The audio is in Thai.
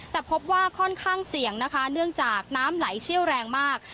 แต่พบว่าค่อนข้างเสี่ยงนะคะเนื่องจากน้ำไหลเชี่ยวแรงมาก